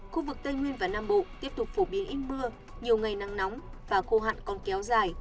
khu vực tây nguyên và nam bộ tiếp tục phổ biến ít mưa nhiều ngày nắng nóng và khô hạn còn kéo dài